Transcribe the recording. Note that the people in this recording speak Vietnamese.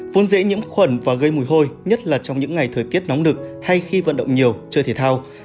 vốn dễ nhiễm khuẩn và gây mùi hôi nhất là trong những ngày thời tiết nóng đực hay khi vận động nhiều chơi thể thao